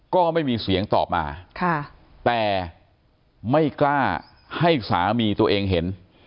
ก็ไม่มีเสียงตอบมาแต่ไม่กล้าให้สามีตัวเองเห็น